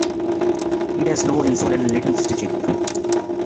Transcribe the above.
It has no insole and little stitching.